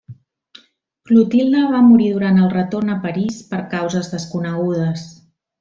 Clotilde va morir durant el retorn a París per causes desconegudes.